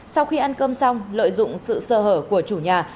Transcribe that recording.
sau khi ăn cơm xong lợi dụng sự sơ hở của chủ nhà